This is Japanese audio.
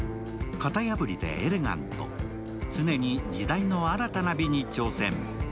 型破りでエレガント、常に時代の新たな美に挑戦。